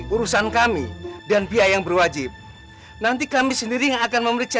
urusan kami dan pihak yang berwajib nanti kami sendiri yang akan memeriksa